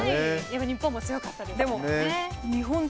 日本も強かったですよ。